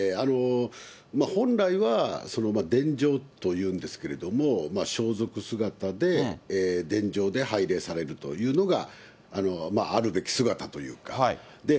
本来は、でんじょうというんですけれども、装束姿ででんじょうで拝礼されるというのが、あるべき姿というか。